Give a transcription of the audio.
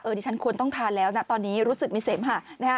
เออนี่ฉันควรต้องทานแล้วนะตอนนี้รู้สึกมีเสมหา